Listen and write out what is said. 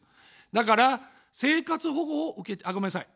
だから、生活保護を受け、あ、ごめんなさい。